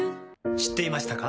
知っていましたか？